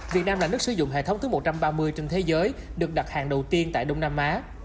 việt nam là nước sử dụng hệ thống thứ một trăm ba mươi trên thế giới được đặt hàng đầu tiên tại đông nam á